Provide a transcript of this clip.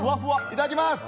いただきます。